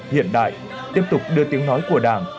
hiện đại tiếp tục đưa tiếng nói của đảng